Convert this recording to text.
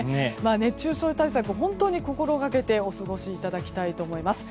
熱中症対策を本当に心がけてお過ごしいただきたいと思います。